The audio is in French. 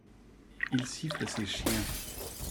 Il siffle ses chiens.